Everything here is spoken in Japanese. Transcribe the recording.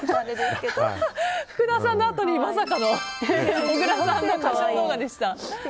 福田さんのあとに、まさかの小倉さんの歌唱動画でした。